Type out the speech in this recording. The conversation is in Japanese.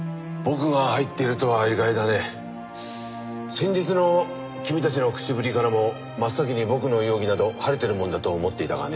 先日の君たちの口ぶりからも真っ先に僕の容疑など晴れてるもんだと思っていたがね。